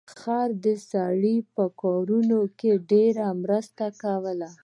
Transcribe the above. خر د سړي په کارونو کې ډیره مرسته کوله.